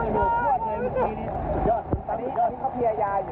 สวัสดีครับคุณผู้ชาย